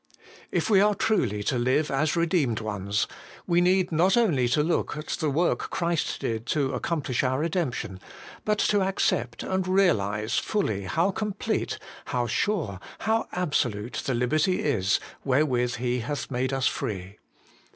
If we are truly to live as redeemed ones, we need not only to look at the work Christ did to 176 HOLY IN CHRIST. accomplish our redemption, but to accept and realize fully how complete, how sure, how absolute the liberty is wherewith He hath made us free.